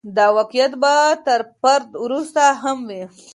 دا واقعیت به تر فرد وروسته هم وي.